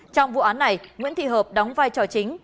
trong vụ án này nguyễn thị hợp đóng vai trò chính